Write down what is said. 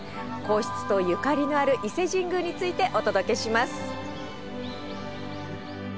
皇室とゆかりのある伊勢神宮についてお届けします。